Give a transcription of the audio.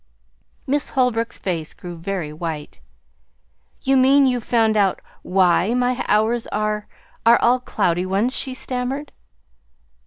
Miss Holbrook's face grew very white. "You mean you've found out WHY my hours are are all cloudy ones?" she stammered.